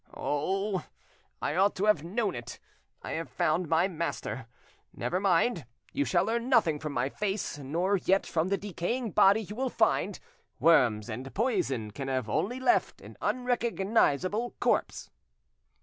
Oh! I ought to have known it; I have found my master. Never mind, you shall learn nothing from my face, nor yet from the decaying body you will find; worms and poison can only have left an unrecognisable corpse."